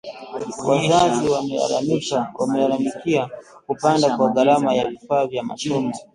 wazazi wamelalamikia kupanda kwa gharama ya vifaa vya masomo